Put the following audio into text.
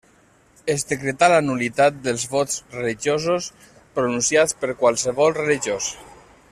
Es decretà la nul·litat dels vots religiosos pronunciats per qualsevol religiós.